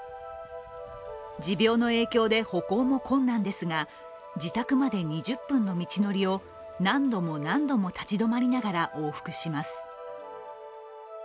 持病の影響で歩行も困難ですが自宅まで２０分の道のりを何度も何度も立ち止まりながら往復します。